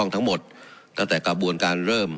ตั้งแต่กระบวนการเริ่ม